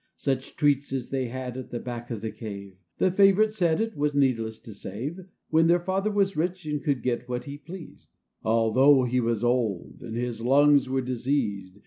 Such treats as they had at the back of the cave ! The favorite said it was needless to save, When their Father was rich, and could get what he pleased; Although he was old, and his lungs were diseased.